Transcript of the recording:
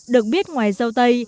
được biết ngoài dâu tây